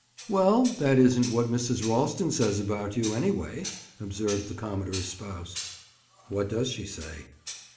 "Well, that isn't what Mrs. Ralston says about you, anyway," observed the commodore's spouse. "What does she say?"